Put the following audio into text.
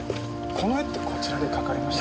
この絵ってこちらで描かれました？